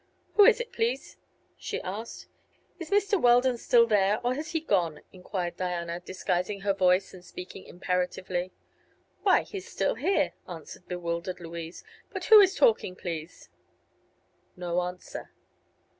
"Who is it, please?" she asked. "Is Mr. Weldon still there, or has he gone?" enquired Diana, disguising her voice and speaking imperatively.. "Why, he's still here," answered bewildered Louise; "but who is talking, please?" No answer.